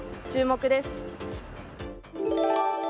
注目です。